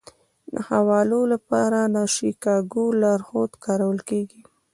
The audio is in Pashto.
د حوالو لپاره د شیکاګو لارښود کارول کیږي.